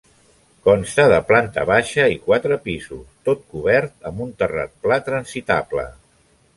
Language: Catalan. Consta de planta baixa i quatre pisos, tot cobert amb un terrat pla transitable.